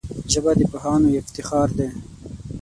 ژبه د پوهانو افتخار دی